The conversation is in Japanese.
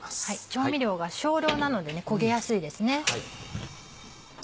調味料が少量なので焦げやすいですね。